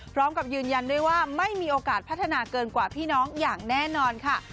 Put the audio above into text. พร้อมกับยืนยันด้วยว่าไม่มีโอกาสพัฒนาเกินกว่าพี่น้องอย่างแน่นอนค่ะ